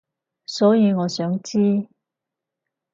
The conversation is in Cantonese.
所以我想知